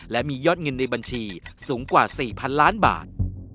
และมียอดเงินในบัญชีสูงกว่า๔๐๐๐ล้านบาท